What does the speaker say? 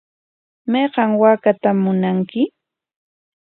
¿Mayqan waakaatam munanki?